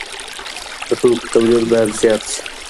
د توکو تولید باید زیات سي.